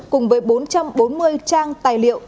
cùng với bốn trăm bốn mươi trang tài liệu